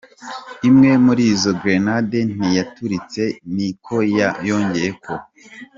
Imwe muri izo grenade ntiyaturitse, ni ko yongeyeko.